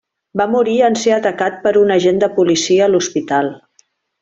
Va morir en ser atacat per un agent de policia a l'hospital.